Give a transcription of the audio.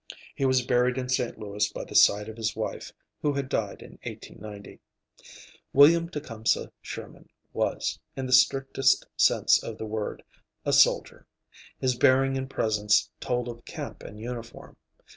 He was buried in St. Louis by the side of his wife, who had died in 1890. William Tecumseh Sherman was, in the strictest sense of the word, a soldier. His bearing and presence told of camp and uniform.